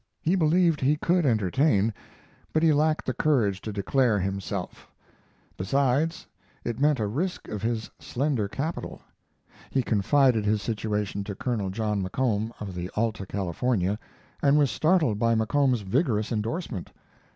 He believed he could entertain, but he lacked the courage to declare himself; besides, it meant a risk of his slender capital. He confided his situation to Col. John McComb, of the Alta California, and was startled by McComb's vigorous endorsement.